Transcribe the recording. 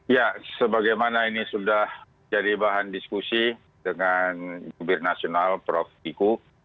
ya sebagaimana ini sudah jadi bahan diskusi dengan gubernational provisiku